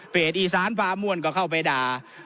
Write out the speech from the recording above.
เพจอิศานพาม่วนก็เข้าไปด่า